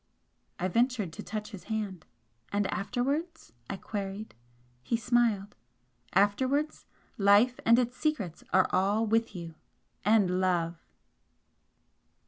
I ventured to touch his hand. "And afterwards?" I queried. He smiled. "Afterwards Life and its secrets are all with you and Love!"